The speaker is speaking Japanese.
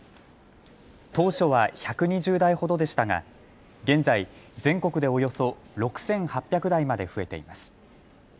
当初は１２０台ほどでしたが現在、全国でおよそ６８００台まで増えています。